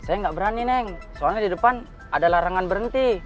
saya nggak berani neng soalnya di depan ada larangan berhenti